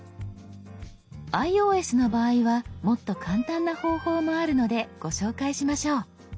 ｉＯＳの場合はもっと簡単な方法もあるのでご紹介しましょう。